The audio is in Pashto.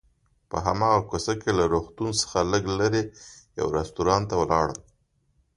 په هماغه کوڅه کې له روغتون څخه لږ څه لرې یو رستورانت ته ولاړم.